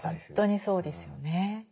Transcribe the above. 本当にそうですよね。